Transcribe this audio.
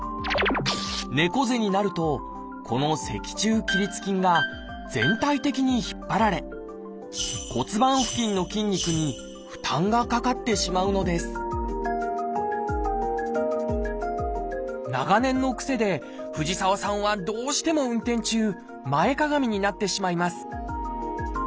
猫背になるとこの脊柱起立筋が全体的に引っ張られ骨盤付近の筋肉に負担がかかってしまうのです長年の癖で藤沢さんはどうしても運転中前かがみになってしまいます